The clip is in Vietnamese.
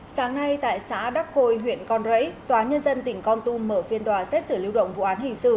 sáng nay tại xã đắc côi huyện con rẫy tòa nhân dân tỉnh con tum mở phiên tòa xét xử lưu động vụ án hình sự